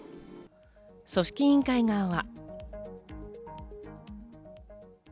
組織委員会側は。